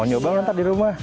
mau nyoba ntar di rumah